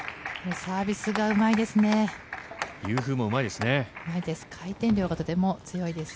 サービスがうまいですね。